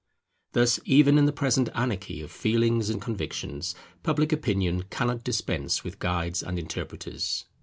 Thus even in the present anarchy of feelings and convictions, Public Opinion cannot dispense with guides and interpreters.